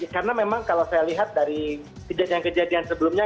karena memang kalau saya lihat dari kejadian kejadian sebelumnya